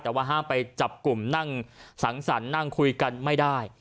แต่ว่าห้ามไปจับกลุ่มนั่งสังสรรค์นั่งคุยกันไม่ได้